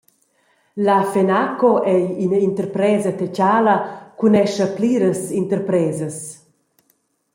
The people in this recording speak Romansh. La Fenaco ei ina interpresa tetgala ch’unescha pliras interpresas.